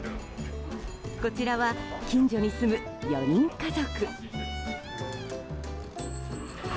こちらは、近所に住む４人家族。